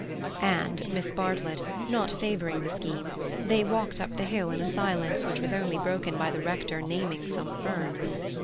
And, Miss Bartlett not favouring the scheme, they walked up the hill in a silence which was only broken by the rector naming some fern.